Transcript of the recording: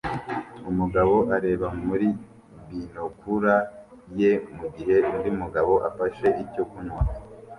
umugabo areba muri binokula ye mugihe undi mugabo afashe icyo kunywa